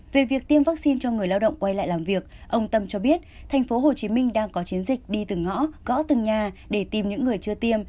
về việc tiêm vaccine cho người lao động quay lại làm việc ông tâm cho biết thành phố hồ chí minh đang có chiến dịch đi từng ngõ gõ từng nhà để tìm những người chưa tiêm